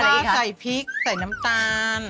แล้วก็ใส่พริกใส่น้ำตาล